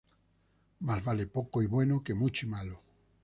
Más vale poco y bueno que mucho y malo